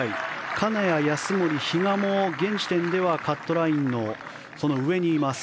金谷、安森、比嘉も現時点ではカットラインの上にいます。